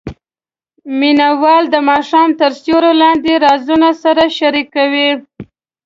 مینه وال د ماښام تر سیوري لاندې رازونه سره شریکوي.